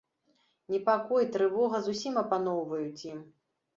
Непакой, трывога зусім апаноўваюць ім.